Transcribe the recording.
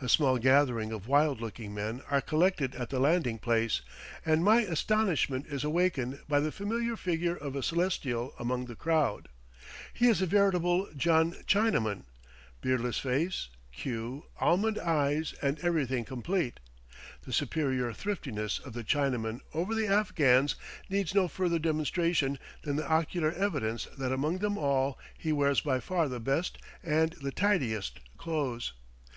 A small gathering of wild looking men are collected at the landing place, and my astonishment is awakened by the familiar figure of a Celestial among the crowd. He is a veritable John Chinaman beardless face, queue, almond eyes, and everything complete. The superior thriftiness of the Chinaman over the Afghans needs no further demonstration than the ocular evidence that among them all he wears by far the best and the tidiest clothes.